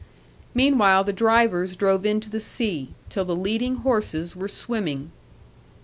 Meanwhile the drivers drove into the sea, till the leading horses were swimming.